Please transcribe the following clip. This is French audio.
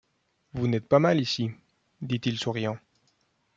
Vous n’êtes pas mal ici, dit-il souriant